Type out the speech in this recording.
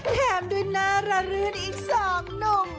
แถมด้วยหน้าระรื่นอีกสองหนุ่ม